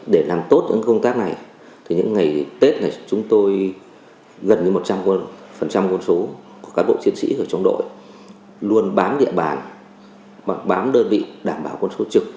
để làm tốt những công tác này những ngày tết này chúng tôi gần như một trăm linh quân số của cán bộ chiến sĩ ở trong đội luôn bám địa bàn hoặc bám đơn vị đảm bảo quân số trực